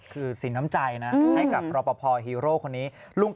คือสินทำใจนะให้กับรับประพอฮีโรคนนี้